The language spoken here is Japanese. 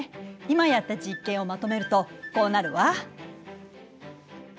今やった実験をまとめるとこうなるわ。